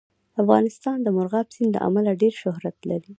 افغانستان د مورغاب سیند له امله ډېر شهرت لري.